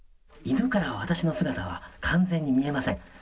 犬からは私の姿は完全に見えません。